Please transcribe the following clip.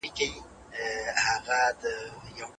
دوی په پوره امانتدارۍ خپله دنده ترسره کړې وه.